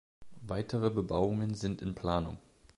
Weitere Bebauungen sind in Planung.